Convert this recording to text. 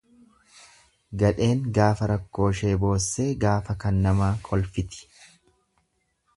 Gadheen gaafa rakkooshee boossee gaafa kan namaa kolfiti.